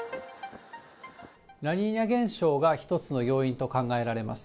ラニーニャ現象が一つの要因と考えられます。